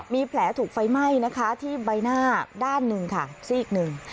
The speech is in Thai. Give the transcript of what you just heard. มีแผลถูกไฟไหม้นะคะที่ใบหน้าด้านหนึ่งค่ะซีกหนึ่ง